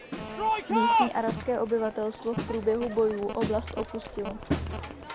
Místní arabské obyvatelstvo v průběhu bojů oblast opustilo.